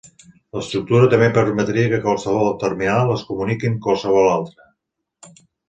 L'estructura també permetria que qualsevol terminal es comuniqui amb qualsevol altre.